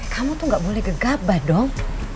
kamu tuh gak boleh gegabah dong